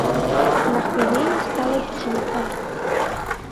На хвіліну стала ціха.